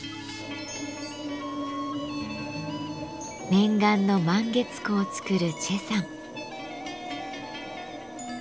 念願の満月壺を作る崔さん。